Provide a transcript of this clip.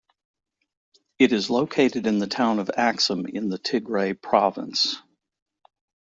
It is located in the town of Axum in the Tigray Province.